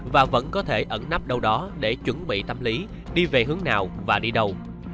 và vẫn có thể ẩn nắp đâu đó để chuẩn bị tâm lý đi về hướng nào và đi đâu